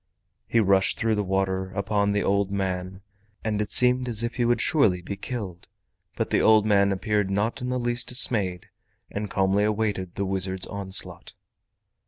He rushed through the water upon the old man, and it seemed as if he would surely be killed. But the old man appeared not in the least dismayed, and calmly awaited the wizard's onslaught.